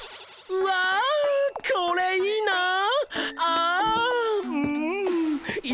うわこれいいな。